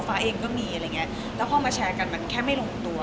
ฟ้าเองก็มีอะไรอย่างเงี้ยแล้วพอมาแชร์กันมันแค่ไม่ลงตัว